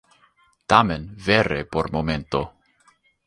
Tamen vere por momento.